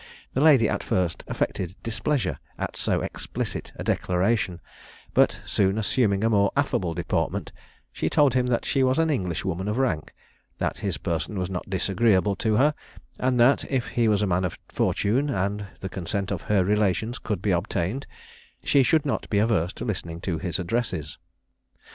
The lady at first affected displeasure at so explicit a declaration; but, soon assuming a more affable deportment, she told him she was an Englishwoman of rank; that his person was not disagreeable to her; and that, if he was a man of fortune and the consent of her relations could be obtained, she should not be averse to listening to his addresses.